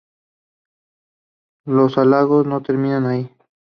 Los halagos no terminarían ahí.